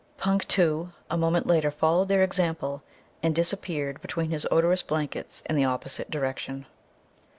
Punk, too, a moment later followed their example and disappeared between his odorous blankets in the opposite direction.